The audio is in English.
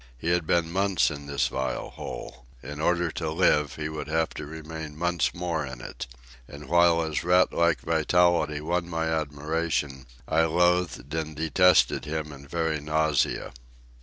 He had been months in this vile hole. In order to live he would have to remain months more in it. And while his rat like vitality won my admiration, I loathed and detested him in very nausea.